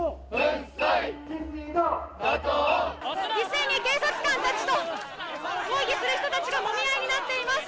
一斉に警察官たちと、抗議する人たちがもみ合いになっています。